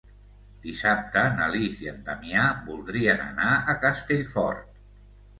Dissabte na Lis i en Damià voldrien anar a Castellfort.